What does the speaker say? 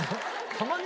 たまに？